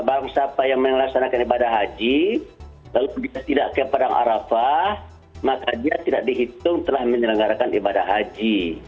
barang siapa yang melaksanakan ibadah haji lalu bisa tidak kepadang arafah maka dia tidak dihitung telah menyelenggarakan ibadah haji